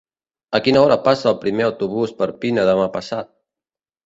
A quina hora passa el primer autobús per Pina demà passat?